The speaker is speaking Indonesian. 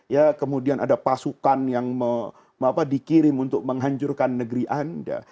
ya kemudian ada pasukan yang dikirim untuk menghancurkan negeri anda